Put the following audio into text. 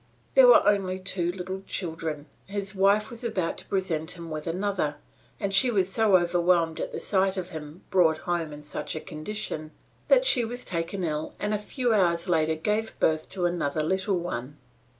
"There were only two little children. His wife was about to present him with another, and she was so overwhelmed at the sight of him brought home in such a condition, that she was taken ill and a few hours later gave birth to another little one.